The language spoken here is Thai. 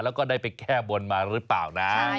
แล้วก็ได้ไปแก้บนมาหรือเปล่านะ